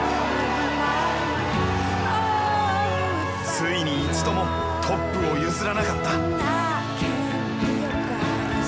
ついに一度もトップを譲らなかった。